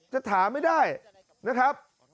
จะถามไม่ได้นะครับ